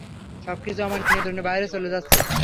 সবকিছু আমার নিয়ন্ত্রণের বাইরে চলে যাচ্ছে।